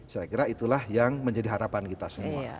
saya kira itulah yang menjadi harapan kita semua